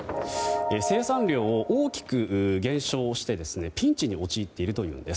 生産量、大きく減少してピンチに陥っているというのです。